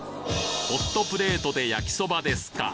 ホットプレートで焼きそばですか！